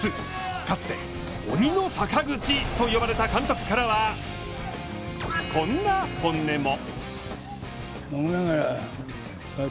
かつて鬼の阪口と呼ばれた監督からはこんな本音も。